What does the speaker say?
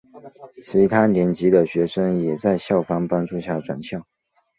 其他年级的学生也在校方帮助下转校。